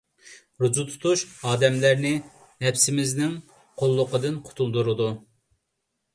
روزا تۇتۇش ئادەملەرنى نەپسىمىزنىڭ قۇللۇقىدىن قۇتۇلدۇرىدۇ.